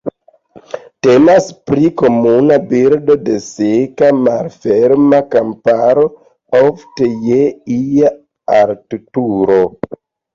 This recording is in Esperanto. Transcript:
Temas pri komuna birdo de seka malferma kamparo, ofte je ia altitudo.